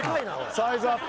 サイズアップ。